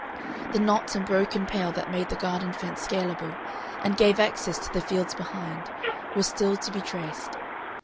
The knots and broken pale that made the garden fence scalable, and gave access to the fields behind, were still to be traced.